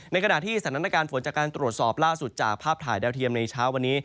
ขณะที่สถานการณ์ฝนจากการตรวจสอบล่าสุดจากภาพถ่ายดาวเทียมในเช้าวันนี้